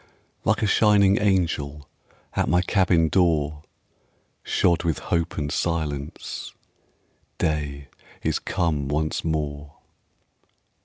Like a shining angel At my cabin door, Shod with hope and silence, Day is come once more.